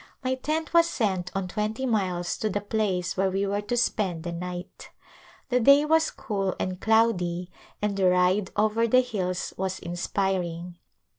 My tent was sent on twenty miles to the place where we were to spend the night. The day was cool and cloudy and the ride over the hills was inspiring.